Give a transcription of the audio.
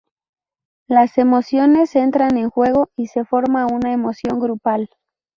Las emociones entran en juego y se forma una emoción grupal.